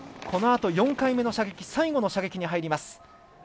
このあと４回目の射撃最後の射撃に入ります。